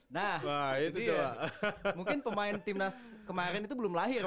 nah mungkin pemain tim nas kemarin itu belum lahir